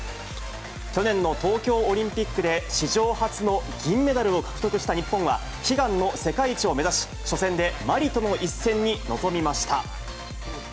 去年の東京オリンピックで史上初の銀メダルを獲得した日本は、悲願の世界一を目指し、初戦でマリとの一戦に臨みました。